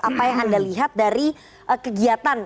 apa yang anda lihat dari kegiatan